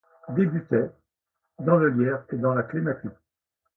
Débutait. Dans le lierre et dans la clématite